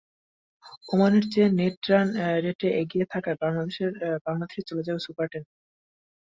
ওমানের চেয়ে net run রেটে এগিয়ে থাকায় বাংলাদেশই চলে যাবে সুপার টেনে।